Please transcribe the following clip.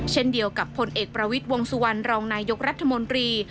เช่นเดียวกับผลเอกประวิทย์วงสุวรรณรองนายกรัฐมนตรี